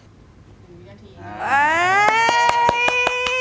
กูวินาที